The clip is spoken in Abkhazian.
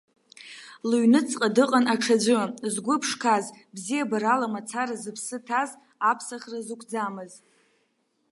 Лыҩныҵҟа дыҟан аҽаӡәы, згәы ԥшқаз, бзиабарала мацара зыԥсы ҭаз, аԥсахра зықәӡамыз.